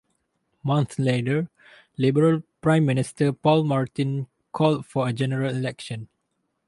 Months later, Liberal Prime Minister Paul Martin called for a general election.